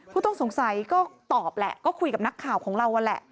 ผู้ต้องสงสัยก็ตอบแหละก็คุยกับนักข่าวของเรานั่นแหละ